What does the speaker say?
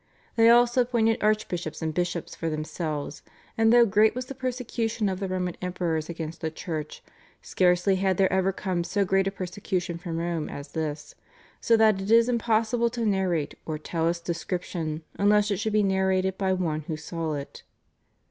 They also appointed archbishops and bishops for themselves, and though great was the persecution of the Roman emperors against the Church, scarcely had there ever come so great a persecution from Rome as this, so that it is impossible to narrate or tell its description unless it should be narrated by one who saw it."